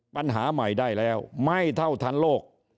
ปัญหาใหม่ได้แล้วไม่เท่าทันโลก